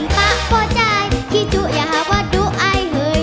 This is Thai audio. ป่าป่อใจขี้จุอย่าหาว่าดูไอเฮย